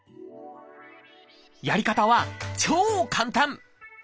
やり方は超簡単！